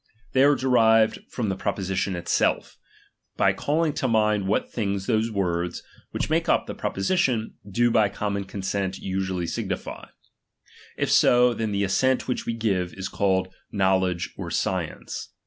They are derived from ■"<! imw Jis^ ' the proposition itself', by calUng to mind what '™^™""'"" things those words, which make up the proposi ^h tion, do by common consent usually signify. If ^H so, then the assent which we give, is called know ^H ledge or science.